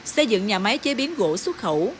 xây dựng nhà máy chế biến gỗ xuất khẩu